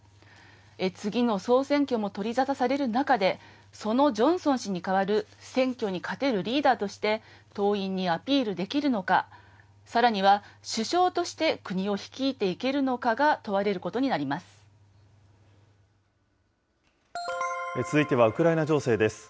次の総選挙も取り沙汰される中で、そのジョンソン氏に代わる選挙に勝てるリーダーとして、党員にアピールできるのか、さらには首相として国を率いていけるのかが問続いてはウクライナ情勢です。